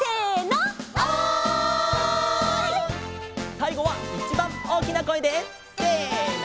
さいごはいちばんおおきなこえでせの！